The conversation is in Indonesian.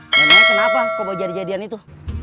nenek kenapa kau bawa jadi jadian itu